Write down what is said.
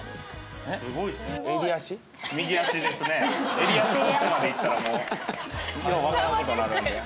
襟足こっちまでいったらもうようわからん事になるんで。